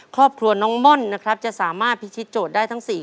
ครอบครัวน้องม่อนนะครับจะสามารถพิธีโจทย์ได้ทั้ง๔